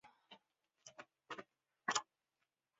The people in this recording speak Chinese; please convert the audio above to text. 保健员是医护人员的一种。